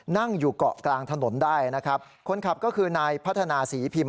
นั่งอยู่เกาะกลางถนนได้นะครับคนขับก็คือนายพัฒนาศรีพิมพ